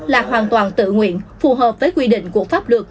là hoàn toàn tự nguyện phù hợp với quy định của pháp luật